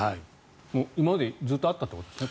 今までずっとあったということですね。